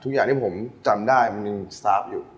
ทุกอย่างที่ผมจำได้มันยังซาฟอยู่